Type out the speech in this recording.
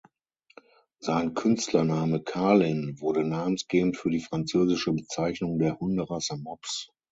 Sein Künstlername "Carlin" wurde namensgebend für die französische Bezeichnung der Hunderasse Mops.